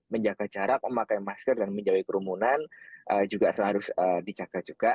menjaga jarak memakai masker dan menjauhi kerumunan juga harus dijaga juga